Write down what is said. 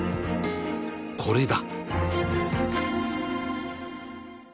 ［これだ］